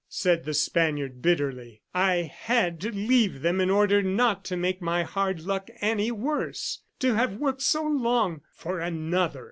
said the Spaniard bitterly. "I had to leave them in order not to make my hard luck any worse. To have worked so long ... for another!"